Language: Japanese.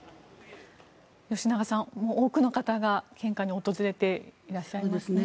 吉永さん、多くの方が献花に訪れていらっしゃいますね。